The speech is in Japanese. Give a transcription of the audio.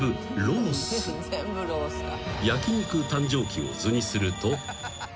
［焼肉誕生期を図にすると］